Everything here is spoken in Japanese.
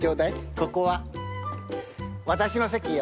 ここは私の席よ。